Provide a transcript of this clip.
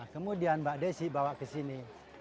kemudian mbak desi bawa kesini